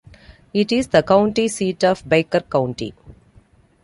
It is the county seat of Baker County.